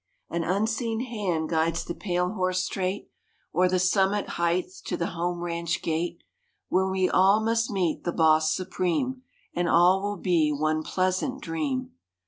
An unseen hand guides the pale horse straight, O'er the summit height, to the home ranch gate, Where we all must meet the Boss Supreme, And all will be one pleasant dream.